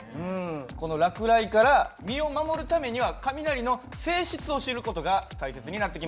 この落雷から身を守るためには雷の性質を知る事が大切になってきます。